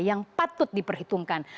yang patut diperhitungkan